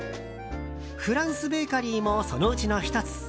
フランスベーカリーもそのうちの１つ。